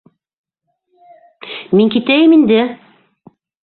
Мин китәйем инде!